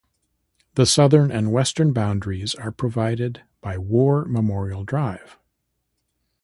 The southern and western boundaries are provided by War Memorial Drive.